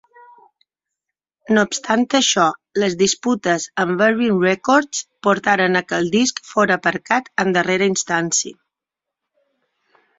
No obstant això, les disputes amb Virgin Records portaren a que el disc fora aparcat en darrera instància.